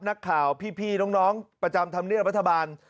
นักข่าวพี่น้องประจำธรรมเนียบรัฐบาล